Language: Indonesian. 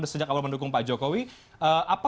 sejak awal mendukung pak jokowi apa